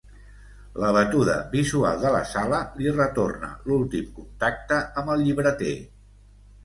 La batuda visual de la sala li retorna l'últim contacte amb el llibreter.